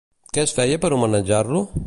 Què es feia per homenatjar-lo?